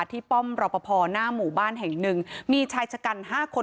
ป้อมรอปภหน้าหมู่บ้านแห่งหนึ่งมีชายชะกัน๕คน